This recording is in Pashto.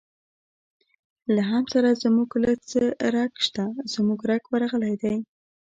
له حمد سره زموږ لږ څه رګ شته، زموږ رګ ورغلی دی.